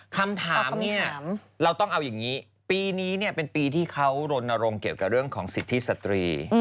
คำถามเนี่ยเราต้องเอาอย่างนี้ปีนี้เป็นปีที่เขารณรงค์เกี่ยวกับเรื่องของสิทธิสตรี